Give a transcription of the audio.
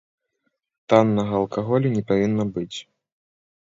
Таннага алкаголю не павінна быць.